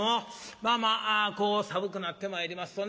まあまあこう寒くなってまいりますとね